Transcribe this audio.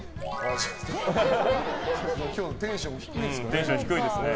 今日テンション低いな。